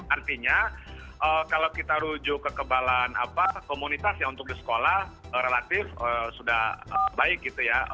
artinya kalau kita rujuk kekebalan komunitas ya untuk di sekolah relatif sudah baik gitu ya